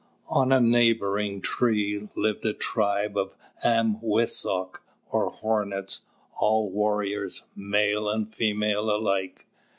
On a neighboring tree lived a tribe of "Ām wessok," or Hornets, all warriors, male and female alike.